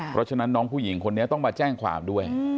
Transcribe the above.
เพราะฉะนั้นน้องผู้หญิงคนนี้ต้องมาแจ้งความด้วย